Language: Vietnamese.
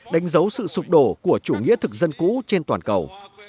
đánh dấu sự sụp đổ của chủ nghĩa thực dân cũ trên toàn cầu